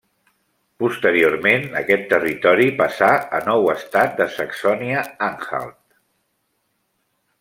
Posteriorment aquest territori passà a nou estat de Saxònia-Anhalt.